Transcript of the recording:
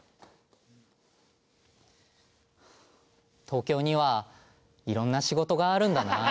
東京にはいろんな仕事があるんだなあ。